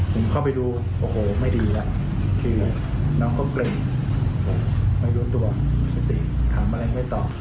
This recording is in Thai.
ผมเข้าไปดูโอ้โหไม่ดีคือน้องก็เกร็งไม่รู้ตัวสติทำอะไรไม่ตอบ